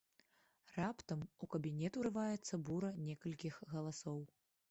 Раптам у кабінет урываецца бура некалькіх галасоў.